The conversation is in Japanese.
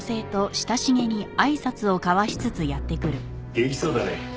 元気そうだね。